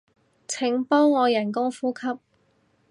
請幫我人工呼吸